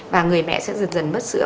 và người mẹ sẽ dần dần mất sữa